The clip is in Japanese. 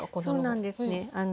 そうなんですね。